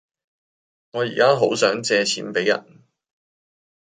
我依家好想借錢俾人